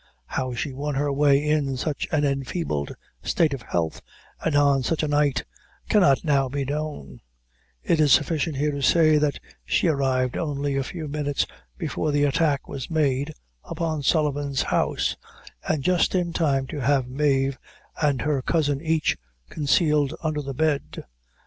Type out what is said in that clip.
How she won her way in such an enfeebled state of health, and on such a night, cannot now be known; it is sufficient here to say, that she arrived only a few minutes before the attack was made upon Sullivan's house, and just in time to have Mave and her cousin each concealed under a bed.